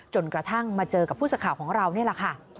จนกระทั่งมาเจอกับผู้สื่อข่าวของเรานี่แหละค่ะ